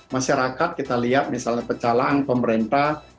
masyarakat kita lihat misalnya pecalang pemerintah